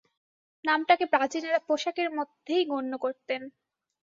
নামটাকে প্রাচীনেরা পোশাকের মধ্যেই গণ্য করতেন।